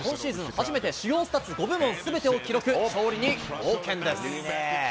初めて主要５部門すべてを記録、勝利に貢献です。